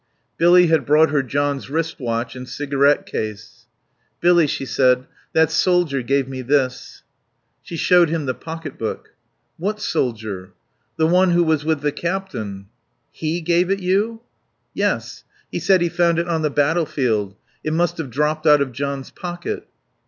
Billy had brought her John's wrist watch and cigarette case. "Billy," she said, "that soldier gave me this." She showed him the pocketbook. "What soldier?" "The one who was with the captain." "He gave it you?" "Yes. He said he found it on the battlefield. It must have dropped out of John's pocket."